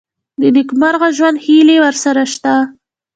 د نېکمرغه ژوند هیلې ورسره شته.